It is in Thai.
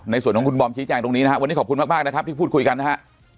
ในส่วนของคุณบอมชี้แจงตรงนี้นะครับวันนี้ขอบคุณมากนะครับที่พูดคุยกันนะฮะ